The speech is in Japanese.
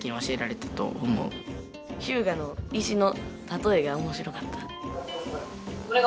ひゅうがの石の例えが面白かった。